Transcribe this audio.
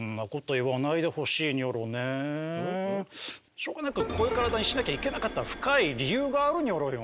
しょうがなくこういう体にしなきゃいけなかった深い理由があるニョロよ。